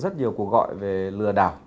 rất nhiều cuộc gọi về lừa đảo